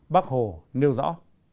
bác hồ nêu rõ